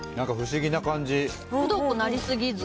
くどくなりすぎず。